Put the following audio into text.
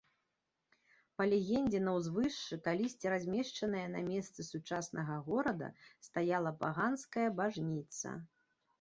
Па легендзе, на ўзвышшы, калісьці размешчанае на месцы сучаснага горада, стаяла паганская бажніца.